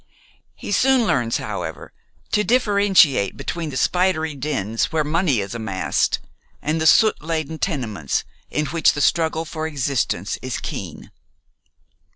He soon learns, however, to differentiate between the spidery dens where money is amassed and the soot laden tenements in which the struggle for existence is keen.